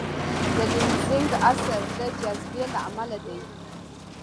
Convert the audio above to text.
د لینزینګ اثر د جاذبې له امله دی.